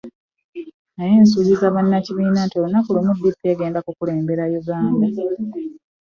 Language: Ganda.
Naye nsuubiza bannakibiina nti olunaku lumu DP egenda kukulembera Uganda.